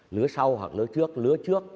lứa sau hoặc lứa trước